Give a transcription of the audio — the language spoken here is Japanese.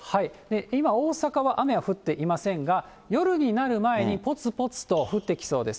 今、大阪は雨は降っていませんが、夜になる前にぽつぽつと降ってきそうです。